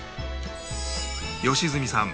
良純さん